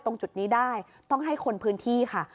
ตรงจุดนี้ได้ต้องให้คนพื้นที่ค่ะ